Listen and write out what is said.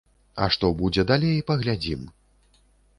А што будзе далей, паглядзім.